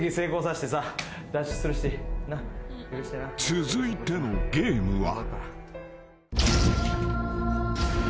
［続いてのゲームは］